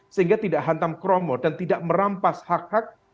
sehingga tidak hantam kromo dan tidak merampas hak hak